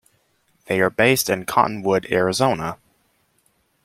They are based in Cottonwood, Arizona.